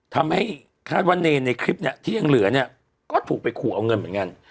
ทำให้คาดว่าเนรในคลิปเนี่ยที่ยังเหลือเนี่ยก็ถูกไปขู่เอาเงินเหมือนกัน